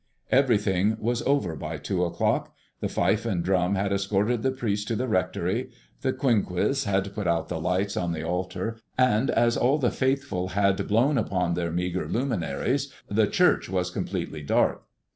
Everything was over by two o'clock. The fife and drum had escorted the priest to the rectory; the quinquiss had put out the lights on the altar; and as all the faithful had blown upon their meagre luminaries the church was completely dark.